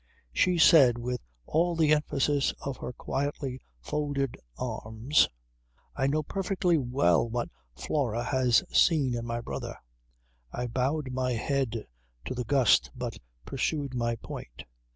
She said with all the emphasis of her quietly folded arms: "I know perfectly well what Flora has seen in my brother." I bowed my head to the gust but pursued my point.